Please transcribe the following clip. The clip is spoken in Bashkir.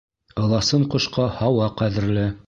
Ыласын ҡошҡа һауа ҡәҙерле